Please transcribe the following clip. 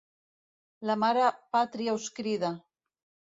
La Mare Pàtria us crida!